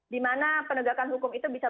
di mana penegakan hukum itu bisa berdiri